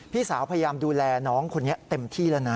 พี่สาวพยายามดูแลน้องคนนี้เต็มที่แล้วนะ